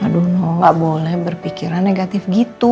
aduh gak boleh berpikiran negatif gitu